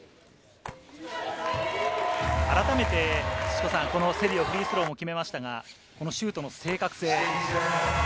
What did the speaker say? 改めて土子さん、セリオ、フリースローも決めましたが、このシュートの正確性。